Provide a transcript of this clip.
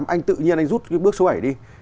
anh tự nhiên anh rút cái bước số bảy đi